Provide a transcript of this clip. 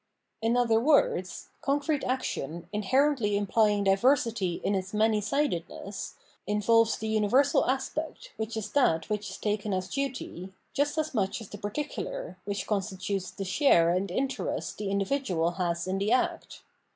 In other words, concrete action, inher ently implying diversity in its manysidedness, involves the universal aspect, which is that which is taken as duty, just as much as the particular, which constitutes the share and interest the individual has in the act.